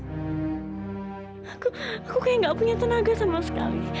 aku aku kayak gak punya tenaga sama sekali